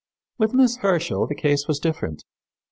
With Miss Herschel the case was different.